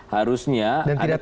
harusnya ada kebijakan